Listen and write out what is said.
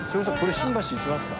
新橋行きますか。